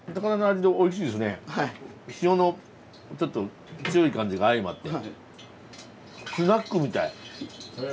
塩のちょっと強い感じが相まって。